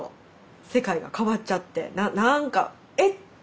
世界と変わっちゃってな何かえっ？